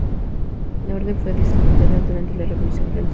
La orden fue disuelta durante la Revolución francesa.